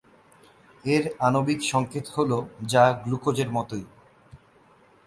এর আণবিক সংকেত হল যা গ্লুকোজের মতই।